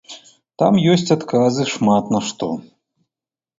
Там ёсць адказы шмат на што.